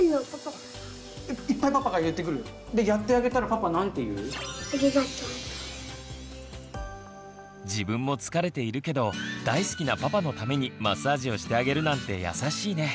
いっぱいパパが言ってくる？でやってあげたら自分も疲れているけど大好きなパパのためにマッサージをしてあげるなんて優しいね。